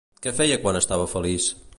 Què feia quan estava feliç?